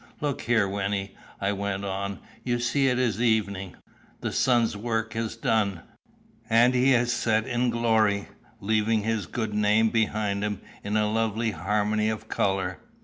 Look here, Wynnie," I went on; "you see it is evening; the sun's work is done, and he has set in glory, leaving his good name behind him in a lovely harmony of colour.